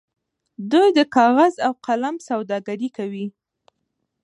دوی د کاغذ او قلم سوداګري کوي.